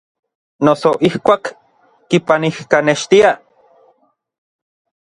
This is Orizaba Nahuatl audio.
Noso ijkuak kipanijkanextiaj.